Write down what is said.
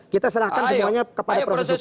kita serahkan semuanya kepada proses hukum